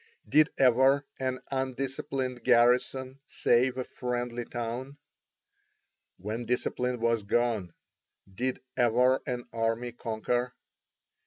Did ever an undisciplined garrison save a friendly town? When discipline was gone, did ever an army conquer?